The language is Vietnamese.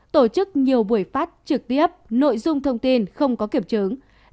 tổ chức nhiều buổi phát trực tiếp nội dung thông tin không có kiểm chứng